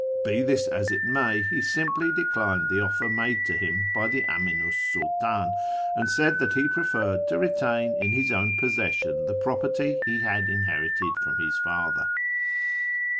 Be this as it may, he simply declined the offer made to him by the Aminu 's Sultdn, and said that he j^referred to retain in his own possession the property he had inherited from his father.